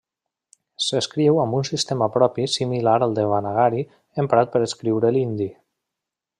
S'escriu amb un sistema propi similar al devanagari emprat per escriure l'hindi.